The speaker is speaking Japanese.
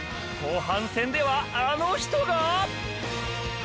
後半戦ではあの人が？